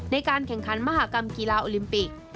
ในการแข่งขันมหากรรมกีฬาโอลิมปิก